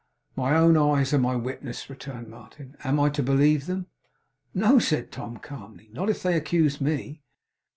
'My own eyes are my witnesses,' returned Martin. 'Am I to believe them?' 'No,' said Tom, calmly. 'Not if they accuse me.